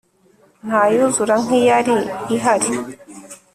ntayuzura nkiyali ihali